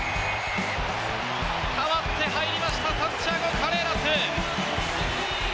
代わって入りました、サンティアゴ・カレーラス。